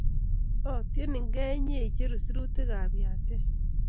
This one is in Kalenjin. otieningei inyee icheru sirutikab yatee